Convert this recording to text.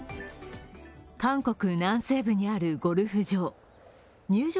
韓国南西部にあるゴルフ場。